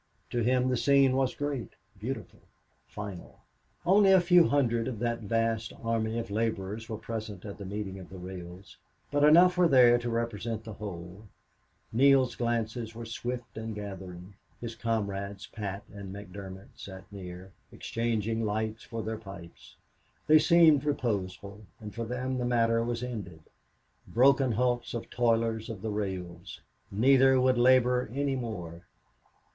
To him the scene was great, beautiful, final. Only a few hundreds of that vast army of laborers were present at the meeting of the rails, but enough were there to represent the whole. Neale's glances were swift and gathering. His comrades, Pat and McDermott, sat near, exchanging lights for their pipes. They seemed reposeful, and for them the matter was ended. Broken hulks of toilers of the rails! Neither would labor any more.